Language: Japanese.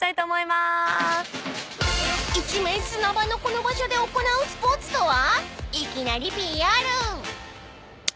［一面砂場のこの場所で行うスポーツとは］